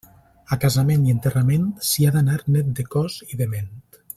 A casament i enterrament s'hi ha d'anar net de cos i de ment.